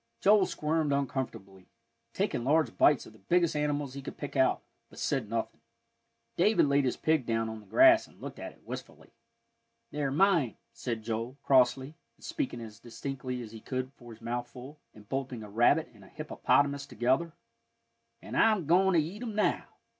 Joel squirmed uncomfortably, taking large bites of the biggest animals he could pick out, but said nothing. David laid his pig down on the grass, and looked at it wistfully. "They're mine," said Joel, crossly, and speaking as distinctly as he could for his mouthful, and bolting a rabbit and a hippopotamus together; "an' I'm goin' to eat 'em now."